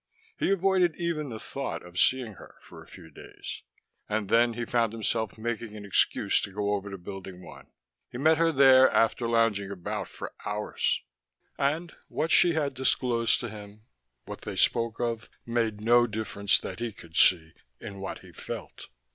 He avoided even the thought of seeing her for a few days, and then he found himself making an excuse to go over to Building One. He met her there, after lounging about for hours. And what she had disclosed to him, what they spoke of, made no difference that he could see in what he felt.